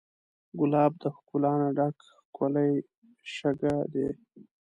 ګلاب د ښکلا نه ډک ښکلی شګه دی.